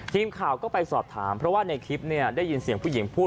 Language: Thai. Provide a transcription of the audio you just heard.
ทีมข่าวก็ไปสอบถามเพราะว่าในคลิปเนี่ยได้ยินเสียงผู้หญิงพูด